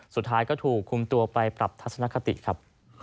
สุดท้ายก็ถูกคุมตัวไปปรับทัศนคติครับ